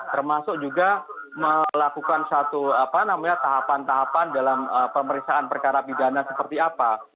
termasuk juga melakukan satu apa namanya tahapan tahapan dalam pemeriksaan perkara pidana seperti apa